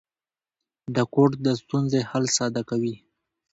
دا کوډ د ستونزې حل ساده کوي.